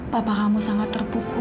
papa kamu sangat terpukul